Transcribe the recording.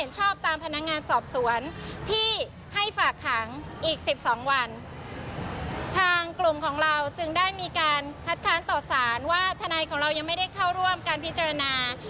จึงเป็นที่มาของการยื่นประกัน